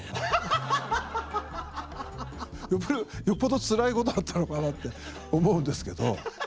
よっぽどつらいことあったのかなって思うんですけど。